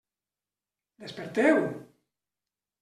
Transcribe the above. Desperteu!